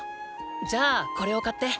じゃあこれを買って。